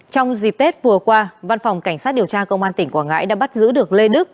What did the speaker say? trong dịp tết vừa qua văn phòng cảnh sát điều tra công an tỉnh quảng ngãi đã bắt giữ được lê đức